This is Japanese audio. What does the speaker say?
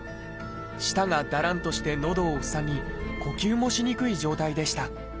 舌がだらんとして喉を塞ぎ呼吸もしにくい状態でした。